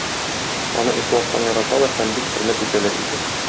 Аны ихластан яраталар һәм бик хөрмәт итәләр иде.